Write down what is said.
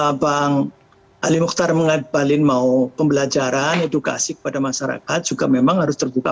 dan kalau bang ali mukhtar mengadbalin mau pembelajaran edukasi kepada masyarakat juga memang harus terbuka